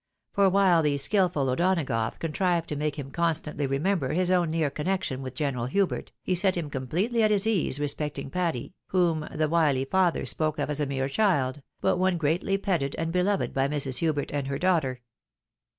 For while the skilful O'Donagough contrived to make him con stantly remember his own near connection with General Hubert, he set him completely at his ease respecting Patty, whom the wily father spoke of as a mere child, but one greatly petted and beloved by Mrs. Hubert and her daughter.